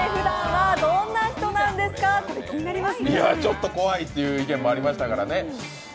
ちょっと怖いっていう意見もありましたからね。